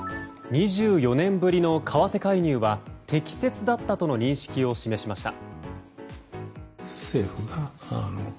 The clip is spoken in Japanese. ２４年ぶりの為替介入は適切だったとの認識を示しました。